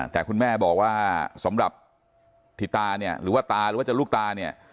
แต่คุณแม่บอกว่าสำหรับธิตาเนี่ยหรือว่าตาหรือว่าจะลูกตาเนี่ย